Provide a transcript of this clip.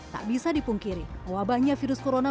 tak bisa dipungkiri wabahnya virus corona